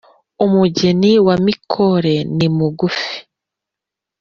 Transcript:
umugeni wa mikore nimugufi